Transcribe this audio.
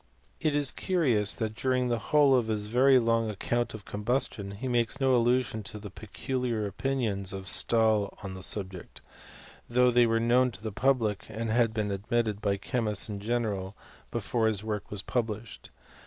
It is curious that during the whole of his very long account of combustion he makes no allusion to the peculiar opinions of Stahl on the subject; though they were known to the public, and had been ad mitted by chemists in general, before his work was fublished.